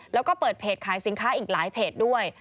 แล้วก็เปิดเพจขายสินค้าอีกหลายเพจด้วย